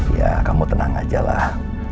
ya kamu tenang aja lah